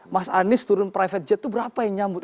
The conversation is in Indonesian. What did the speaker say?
mas anis turun private jet tuh berapa yang nyambut